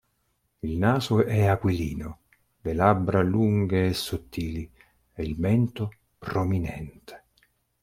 Il naso è aquilino, le labbra lunghe e sottili e il mento prominente.